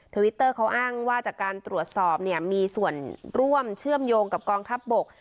วิตเตอร์เขาอ้างว่าจากการตรวจสอบเนี่ยมีส่วนร่วมเชื่อมโยงกับกองทัพบก